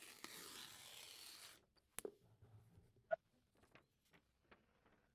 Está formada por pequeños gusanos tanto terrestres como marinas.